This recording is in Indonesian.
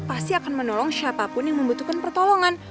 pasti akan menolong siapapun yang membutuhkan pertolongan